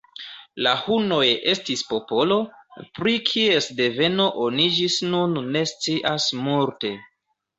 La hunoj estis popolo, pri kies deveno oni ĝis nun ne scias multe.